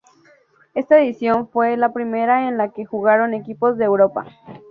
Esta edición fue la primera en la que jugaron equipos de Europa.